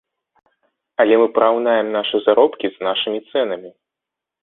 Але параўнаем нашы заробкі з нашымі цэнамі.